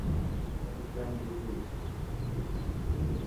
Chronic lung disease can manifest.